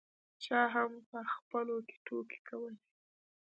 چا هم په خپلو کې ټوکې کولې.